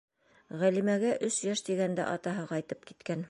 Ғәлимәгә өс йәш тигәндә атаһы ҡайтып киткән.